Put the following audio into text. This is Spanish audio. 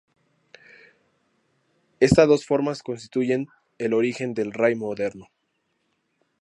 Esta dos formas constituyen el origen del raï moderno.